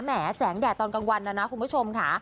แหมแสงแดดตอนกลางวันนะนะคุณผู้ชมค่ะ